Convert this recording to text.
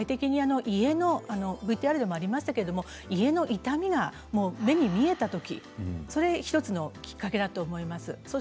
ＶＴＲでもありましたが家の傷みが目に見えた時それが１つのきっかけだと思います。